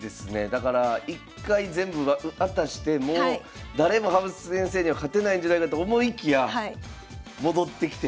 だから一回全部渡してもう誰も羽生先生には勝てないんじゃないかと思いきや戻ってきて。